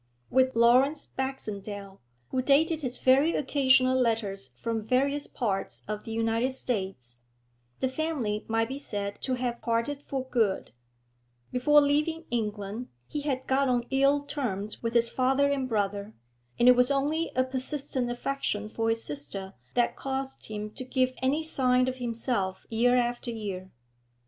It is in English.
With Laurence Baxendale, who dated his very occasional letters from various parts of the United States, the family might be said to have parted for good; before leaving England he had got on ill terms with his father and brother, and it was only a persistent affection for his sister that caused him to give any sign of himself year after year.